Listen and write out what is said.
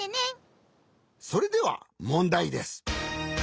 それではもんだいです！